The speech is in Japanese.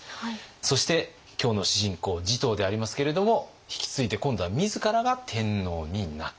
そして今日の主人公持統でありますけれども引き継いで今度は自らが天皇になった。